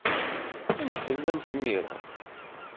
Amek tellamt imir-a?